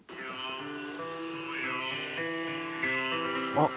あっ。